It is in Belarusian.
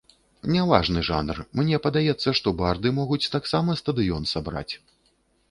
Не важны жанр, мне падаецца, што барды могуць таксама стадыён сабраць.